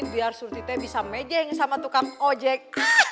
biar surti teh bisa mejeng sama tukang ojek